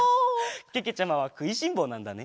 けけちゃまはくいしんぼうなんだね。